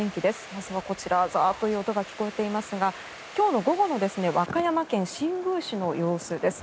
まずは、こちらザーッという音が聞こえていますが今日の午後の和歌山県新宮市の様子です。